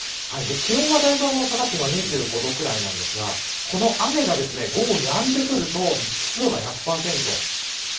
気温はだいぶ下がって今２５度ぐらいなんですがこの雨が午後やんでくると湿度が１００％。